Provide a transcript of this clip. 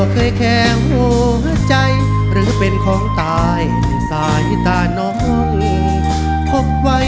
ขอบคุณครับ